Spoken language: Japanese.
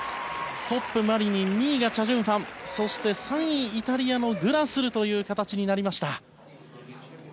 トップ、マリニン２位がチャ・ジュンファン３位がイタリアのグラスルとなりました。